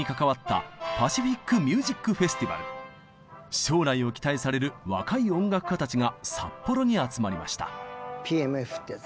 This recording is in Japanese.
将来を期待される若い音楽家たちが札幌に集まりました。